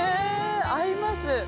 合います。